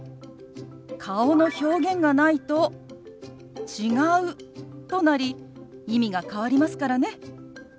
顔の表現がないと「違う」となり意味が変わりますからね。